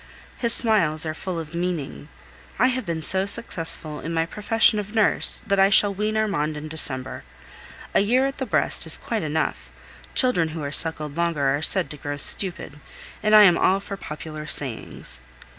His smiles are full of meaning. I have been so successful in my profession of nurse that I shall wean Armand in December. A year at the breast is quite enough; children who are suckled longer are said to grow stupid, and I am all for popular sayings.